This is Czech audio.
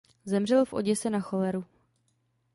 Zemřel v Oděse na choleru.